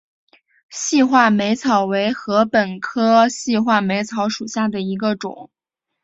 细画眉草为禾本科细画眉草属下的一个种。